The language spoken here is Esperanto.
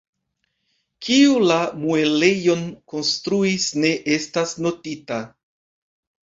Kiu la muelejon konstruis ne estas notita.